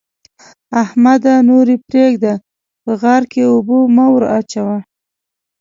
احمده! نور يې پرېږده؛ په غار کې اوبه مه وراچوه.